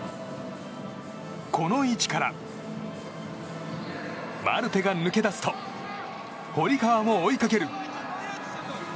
この位置からマルテが抜け出すと堀川も追いかける。